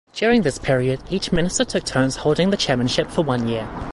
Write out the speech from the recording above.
During this period, each minister took turns holding the chairmanship for one year.